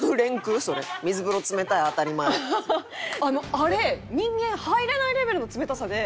あれ人間入れないレベルの冷たさで。